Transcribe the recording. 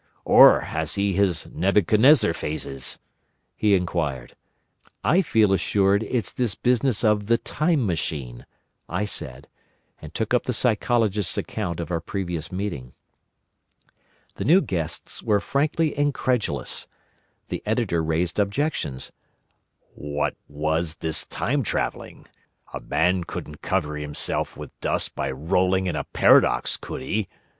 or has he his Nebuchadnezzar phases?" he inquired. "I feel assured it's this business of the Time Machine," I said, and took up the Psychologist's account of our previous meeting. The new guests were frankly incredulous. The Editor raised objections. "What was this time travelling? A man couldn't cover himself with dust by rolling in a paradox, could he?"